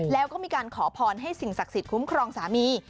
แล้วก็มีการขอพรให้สิ่งศักดิ์สิทธิคุ้มครองสามี